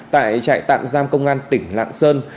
tại trại tạm giam công an tỉnh lạng sơn